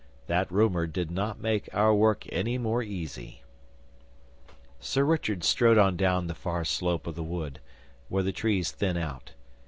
That rumour did not make our work any more easy.' Sir Richard strode on down the far slope of the wood, where the trees thin out.